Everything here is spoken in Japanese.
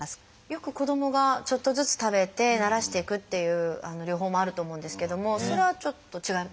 よく子どもがちょっとずつ食べてならしていくっていう療法もあると思うんですけれどもそれはちょっと違う？